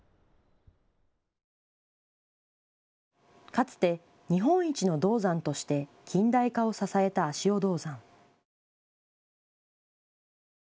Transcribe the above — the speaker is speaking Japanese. かつて日本一の銅山として近代化を支えた足尾銅山。